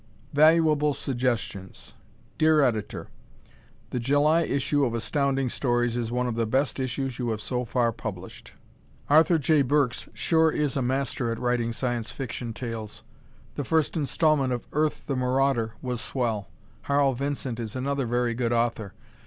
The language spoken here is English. Valuable Suggestions Dear Editor: The July issue of Astounding Stories is one of the best issues you have so far published. Arthur J. Burks sure is a master at writing Science Fiction tales. The first installment of "Earth, the Marauder" was swell. Harl Vincent is another very good author.